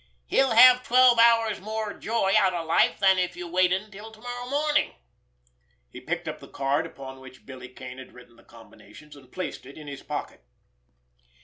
He'll have twelve hours more joy out of life than if you waited until to morrow morning." He picked up the card upon which Billy Kane had written the combinations, and placed it in his pocket.